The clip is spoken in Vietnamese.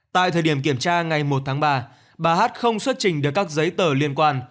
tại thời điểm kiểm tra ngày một tháng ba bà hát không xuất trình được các giấy tờ liên quan